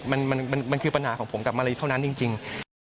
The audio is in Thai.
มันคือปัญหาของผมกับมารีเท่านั้นจริง